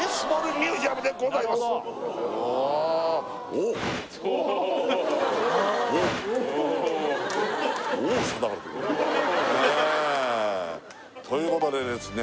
おおねえということでですね